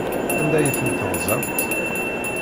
Anda ay tent-teɣzamt?